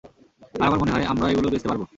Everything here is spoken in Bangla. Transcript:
আর আমার মনে হয়, আমরা এগুলো বেচতে পারব।